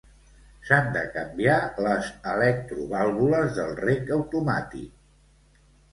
S'han de canviar les electrovàlvules del reg automàtic